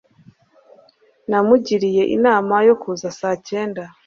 namugiriye inama yo kuza saa cyenda